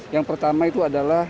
yang pertama itu adalah